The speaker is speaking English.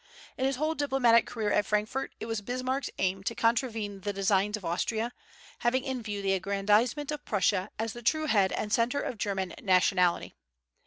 In his whole diplomatic career at Frankfort it was Bismarck's aim to contravene the designs of Austria, having in view the aggrandizement of Prussia as the true head and centre of German nationality.